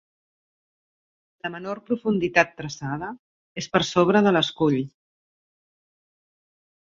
La menor profunditat traçada és per sobre de l'escull.